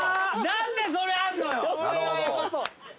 何でそれあんのよ！？